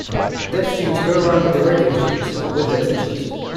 Deaf students go around with the regular students, but with their teachers.